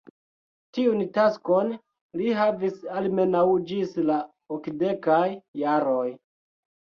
Tiun taskon li havis almenaŭ ĝis la okdekaj jaroj.